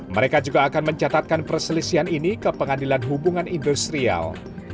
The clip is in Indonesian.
mereka juga akan mencatatkan perselisihan ini ke pengadilan hubungan industrial